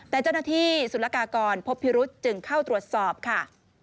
แต่เจ้าหน้าที่สุรกากรพบพิรุษจึงเข้าตรวจสอบค่ะ